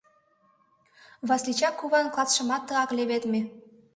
Васлича куван клатшымат тыгак леведме.